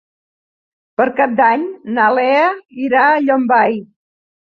Per Cap d'Any na Lea irà a Llombai.